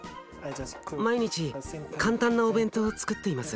毎日簡単なお弁当をつくっています。